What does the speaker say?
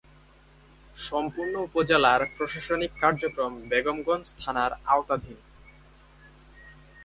সম্পূর্ণ উপজেলার প্রশাসনিক কার্যক্রম বেগমগঞ্জ থানার আওতাধীন।